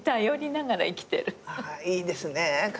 いいですね。